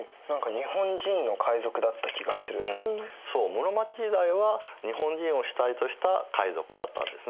室町時代は日本人を主体とした海賊だったんですね。